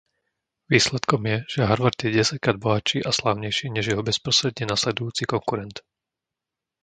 Výsledkom je, že Harvard je desaťkrát bohatší a slávnejší, než jeho bezprostredne nasledujúci konkurent.